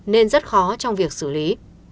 nên rất khó trong việc xử lý